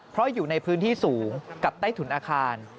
เพราะอยู่ในพื้นที่สูงกับใต้ถุนอาคาร